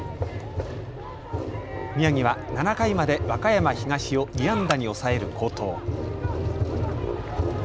宮城は７回まで和歌山東を２安打に抑える好投。